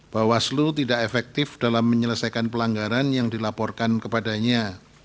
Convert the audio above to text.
bawaslu tidak efektif dalam menyelesaikan pelanggaran yang dilaporkan kepadanya